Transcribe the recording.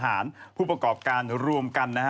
จากกระแสของละครกรุเปสันนิวาสนะฮะ